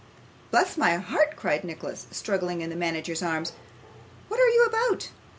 'Bless my heart,' cried Nicholas, struggling in the manager's arms, 'what are you about?